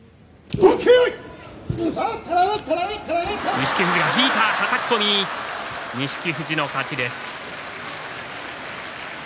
錦富士が引いたはたき込み、錦富士の勝ちです。